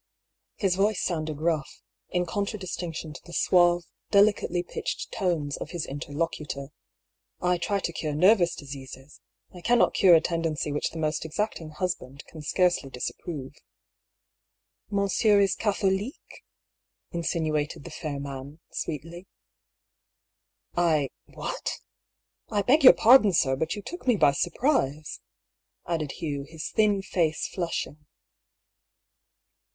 His voice sounded rough, in contra distinction to the suave, delicately pitched tones of his interlocutor. " I try to cure nervous diseases ; I cannot cure a tendency which the most exacting hus band can scarcely disapprove." '^ Monsieur is Gatholique ?" insinuated the fair man, sweetlv. " I — what 9 I beg your pardon, sir, but you took me by surprise," added Hugh, his thin face flushing.